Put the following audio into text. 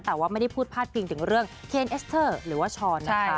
แต่ว่าไม่ได้พูดพาดพิงถึงเรื่องเคนเอสเตอร์หรือว่าช้อนนะคะ